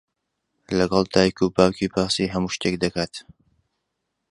لەگەڵ دایک و باوکی باسی هەموو شتێک دەکات.